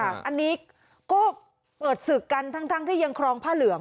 อันนี้ก็เปิดศึกกันทั้งที่ยังครองผ้าเหลือง